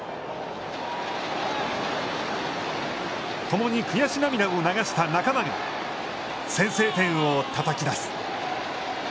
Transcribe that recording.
共に悔し涙を流した仲間が先制点をたたき出す。